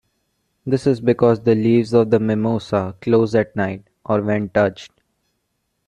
This is because the leaves of the mimosa close at night, or when touched.